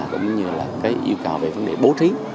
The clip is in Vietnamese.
cũng như là cái yêu cầu về vấn đề bố trí